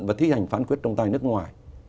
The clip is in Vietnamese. và thi hành phán quyết trọng tài nước ngoài